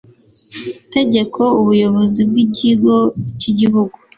tegeko ubuyobozi bw ikigo cy igihugu